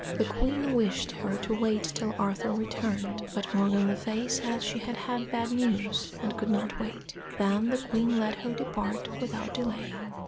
The Queen wished her to wait till Arthur returned, but Morgan le Fay said she had had bad news and could not wait. Then the Queen let her depart without delay.